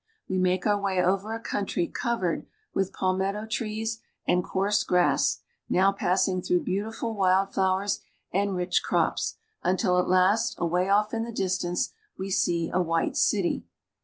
We make our way over a country covered with palmetto trees and coarse grass, now passing through beautiful wild flowers and rich crops, until at last, away off in the dis tance, we see a white city.